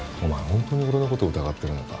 ホントに俺のこと疑ってるのか？